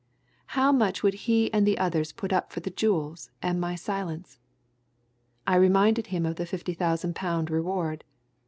How much would he and the others put up for the jewels and my silence? I reminded him of the fifty thousand pound reward.